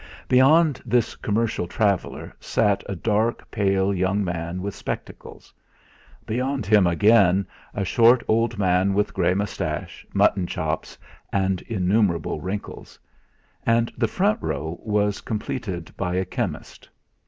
Beyond this commercial traveller sat a dark pale young man with spectacles; beyond him again, a short old man with grey moustache, mutton chops, and innumerable wrinkles; and the front row was completed by a chemist.